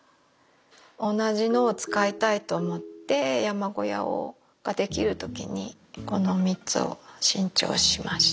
同じのを使いたいと思って山小屋が出来る時にこの３つを新調しました。